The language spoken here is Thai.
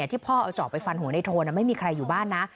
ที่พ่อเอาจอบไปฟันหัวในโทนไม่มีใครอยู่บ้านนะ